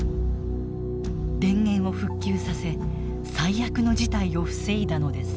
電源を復旧させ最悪の事態を防いだのです。